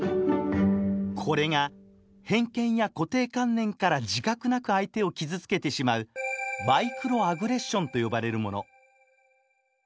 これが偏見や固定観念から自覚なく相手を傷つけてしまうマイクロアグレッションと呼ばれるもの。